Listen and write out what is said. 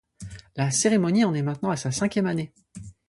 La cérémonie en est maintenant à sa cinquième année.